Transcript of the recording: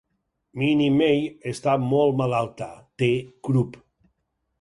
Minnie May està molt malalta, té crup.